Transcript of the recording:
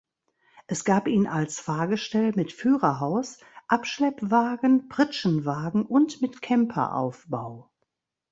Es gab ihn als Fahrgestell mit Führerhaus, Abschleppwagen, Pritschenwagen und mit Camper-Aufbau.